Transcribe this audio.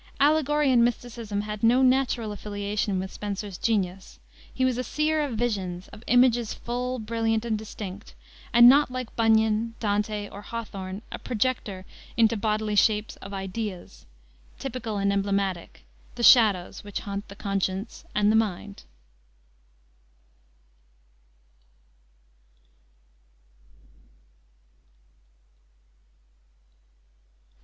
Allegory and mysticism had no natural affiliation with Spenser's genius. He was a seer of visions, of images full, brilliant, and distinct, and not like Bunyan, Dante, or Hawthorne, a projector into bodily shapes of ideas, typical and emblematic, the shadows which haunt the conscience and the mind.